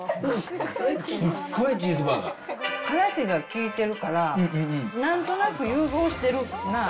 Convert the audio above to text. からしが効いてるから、なんとなく融合してるなぁ。